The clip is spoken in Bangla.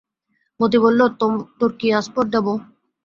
মতি বলিল, তোর কী আস্পর্ধা বৌ!